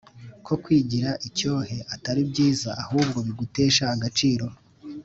Ko kwigira icyohe atari byiza ahubwo bigutesha agaciro